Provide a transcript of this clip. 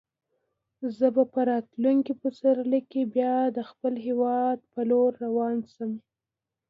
زه به په راتلونکي پسرلي کې بیا د خپل هیواد په لور روان شم.